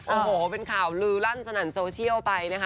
โอ้โหเป็นข่าวลือลั่นสนั่นโซเชียลไปนะคะ